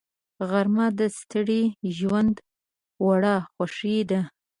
غرمه د ستړي ژوند وړه خوښي ده